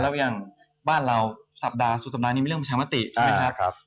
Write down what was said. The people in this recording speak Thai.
แล้วอย่างบ้านเราสัปดาห์สุดสัปดาห์นี้มีเรื่องประชามติใช่ไหมครับ